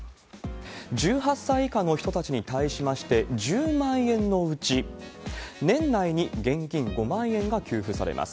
１８歳以下の人たちに対しまして、１０万円のうち、年内に現金５万円が給付されます。